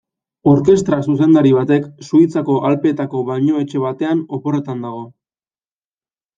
Orkestra zuzendari batek Suitzako Alpeetako bainuetxe batean oporretan dago.